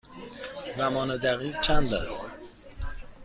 زمان دقیق چند است؟